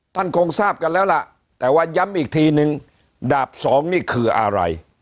ท่านคงทราบกันแล้วล่ะแต่ว่าย้ำอีกทีนึงดาบสองนี่คืออะไร